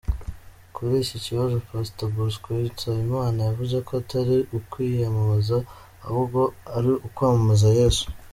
Kuri iki kibazo, Pastor Bosco Nsabimana yavuze ko atari ukwiyamamaza ahubwo ari ukwamamaza Yesu.